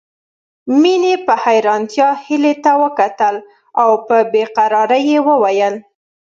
مينې په حيرانتيا هيلې ته وکتل او په بې قرارۍ يې وويل